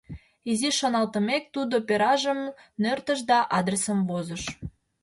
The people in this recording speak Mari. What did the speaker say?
Изиш шоналтымек, тудо перажым нӧртыш да адресым возыш: